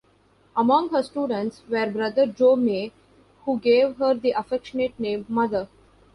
Among her students were Brother Joe May, who gave her the affectionate name "Mother".